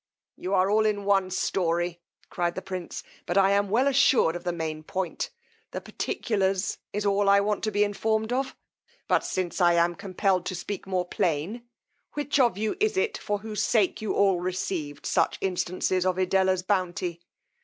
You all are in one story, cried the prince, but I am well assured of the main point: the particulars is all I want to be informed of: but since I am compelled to speak more plain, which of you is it for whose sake you all received such instances of Edella's bounty?